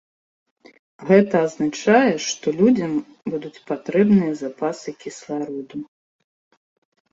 Гэта азначае, што людзям будуць патрэбныя запасы кіслароду.